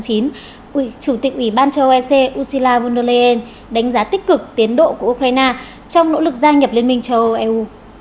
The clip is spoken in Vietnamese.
chủ tịch ủy ban châu âu ec ursuila von leyen đánh giá tích cực tiến độ của ukraine trong nỗ lực gia nhập liên minh châu âu eu